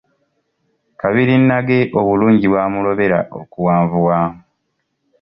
Kabirinnage obulungi bwamulobera okuwanvuwa!